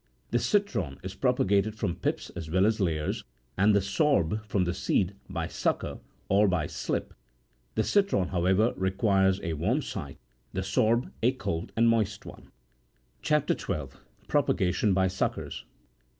The citron35 is propagated from pips as well as layers, and the sorb from seed, by sucker, or by slip : the citron, how ever, requires a warm site, the sorb a cold and moist one. CHAP. 12. PROPAGATION BY SUCKERS.